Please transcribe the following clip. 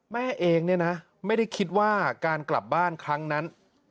แม่เองเนี่ยนะไม่ได้คิดว่าการกลับบ้านครั้งนั้น